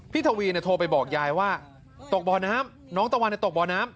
ทวีโทรไปบอกยายว่าตกบ่อน้ำน้องตะวันตกบ่อน้ำ